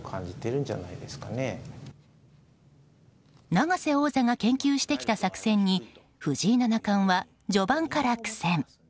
永瀬王座が研究してきた作戦に藤井七冠は序盤から苦戦。